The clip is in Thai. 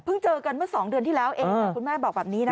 เจอกันเมื่อ๒เดือนที่แล้วเองแต่คุณแม่บอกแบบนี้นะคะ